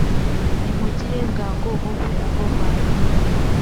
nimugire bwangu muve aha hantu